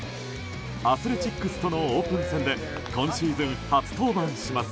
アスレチックスとのオープン戦で今シーズン初登板します。